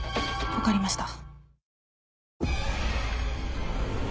分かりました。